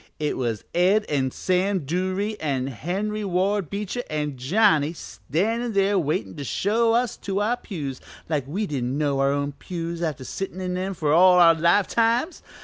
It was Ed an' Sam Duruy an' Henry Ward Beecher an' Johnny standin' there waitin' to show us to our pews like we didn't know our own pews after sittin' in 'em for all our life times!